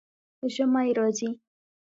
ژمی راځي